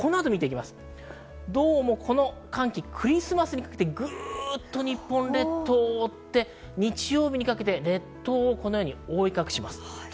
この寒気、クリスマスにかけてぐっと日本列島を覆って日曜日にかけて列島を覆い隠します。